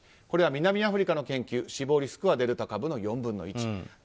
これは南アフリカの研究死亡リスクはデルタ株の４分の１。